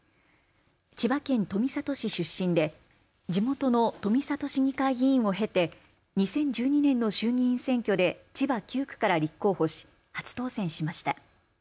千葉県富里市出身で地元の富里市議会議員を経て２０１２年の衆議院選挙で千葉９区から立候補し初当選しました。